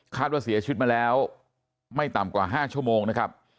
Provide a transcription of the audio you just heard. ว่าเสียชีวิตมาแล้วไม่ต่ำกว่า๕ชั่วโมงนะครับ